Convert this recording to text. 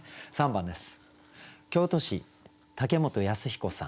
３番です。